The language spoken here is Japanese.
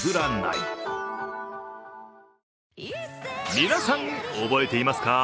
皆さん、覚えていますか？